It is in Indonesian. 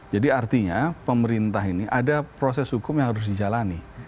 jadi artinya pemerintah ini ada proses hukum yang harus dijalani